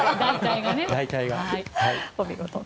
お見事。